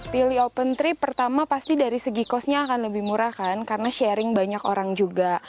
pilih open trip pertama pasti dari segi costnya akan lebih murah kan karena sharing banyak orang juga